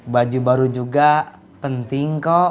baju baru juga penting kok